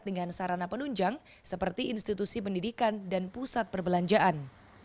dengan sarana penunjang seperti institusi pendidikan dan pusat perbelanjaan